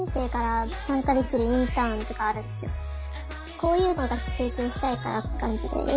こういうのが経験したいからって感じでハハハハハ！